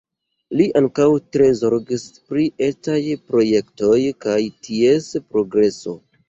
Li ankaŭ tre zorgis pri etaj projektoj kaj ties progreso.